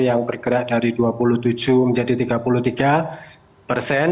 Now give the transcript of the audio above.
yang bergerak dari dua puluh tujuh menjadi tiga puluh tiga persen